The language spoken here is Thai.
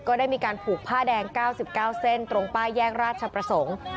ก็ได้มีการผูกผ้าแดง๙๙เส้นตรงป้ายแยกราชประสงค์